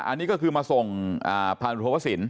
อันนี้ก็คือมาส่งพันธุ์โทษศิลป์